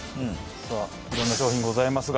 さあいろんな商品ございますが。